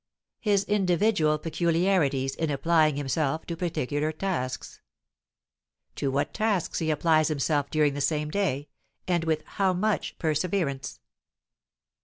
His individual peculiarities in applying himself to particular tasks. To what tasks he applies himself during the same day, and with how much perseverance.